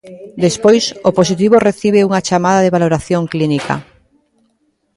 Despois, o positivo recibe unha chamada de valoración clínica.